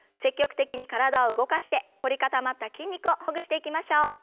積極的に体を動かして凝り固まった筋肉をほぐしていきましょう。